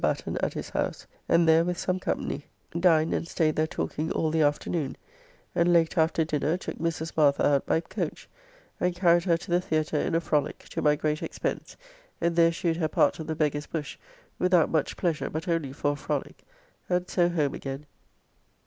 Batten at his house, and there, with some company; dined and staid there talking all the afternoon; and late after dinner took Mrs. Martha out by coach, and carried her to the Theatre in a frolique, to my great expense, and there shewed her part of the "Beggar's Bush," without much pleasure, but only for a frolique, and so home again.